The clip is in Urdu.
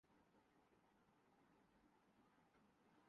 چیئرمین ایف بے ار کا ٹیکس گزاروں کی تفصیلات فراہم کرنے سے ایک بارانکار کردیا